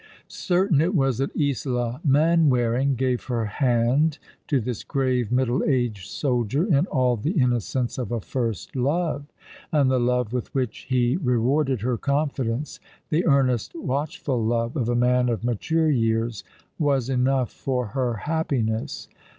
Certain it was that Isola Manwaring gave her hand to this grave, middle aged soldier, in all the innocence of a first love ; and the love with which he re warded her confidence, the earnest watchful love of a man of mature years, was enough for her happiness.